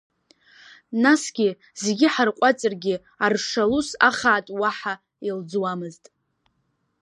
Насгьы, зегьы ҳарҟәаҵыргьы, Аршалус ахаатә уаҳа илӡуамзт.